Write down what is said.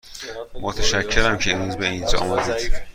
متشکرم که امروز به اینجا آمدید.